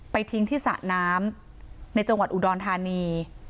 ทิ้งที่สระน้ำในจังหวัดอุดรธานี